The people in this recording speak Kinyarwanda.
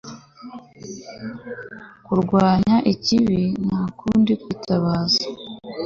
kurwanya ikibi ntakundi kwitabaza